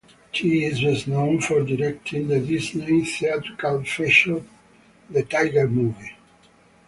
She is best known for directing the Disney theatrical feature "The Tigger Movie".